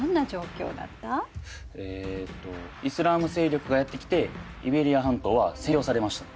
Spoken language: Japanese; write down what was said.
えっとイスラーム勢力がやって来てイベリア半島は占領されました。